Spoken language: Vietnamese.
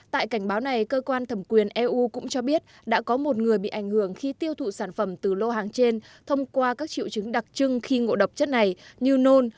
tại cảnh báo này cơ quan thẩm quyền eu cũng cho biết đã có một người bị ảnh hưởng khi tiêu thụ sản phẩm từ lô hàng trên thông qua các triệu chứng đặc trưng khi ngộ độc chất này như nôn